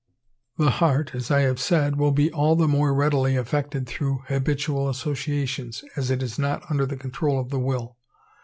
The heart, as I have said, will be all the more readily affected through habitual associations, as it is not under the control of the will.